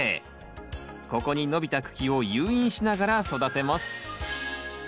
ここに伸びた茎を誘引しながら育てます。